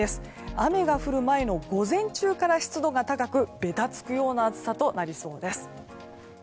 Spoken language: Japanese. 雨が降る前の午前中から湿度が高くべたつくような暑さとなりそうです。